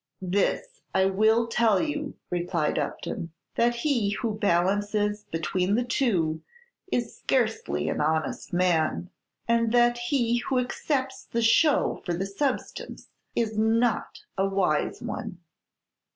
"This I will tell you," replied Upton, "that he who balances between the two is scarcely an honest man, and that he who accepts the show for the substance is not a wise one."